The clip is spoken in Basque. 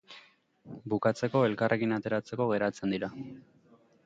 Bukatzeko, elkarrekin ateratzeko geratzen dira.